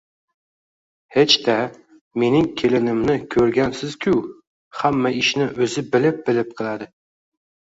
Hech-da, mening kelinimni ko`rgansiz-ku, hamma ishni o`zi bilib-bilib qiladi